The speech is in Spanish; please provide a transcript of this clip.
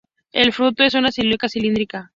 El fruto es una silicua cilíndrica.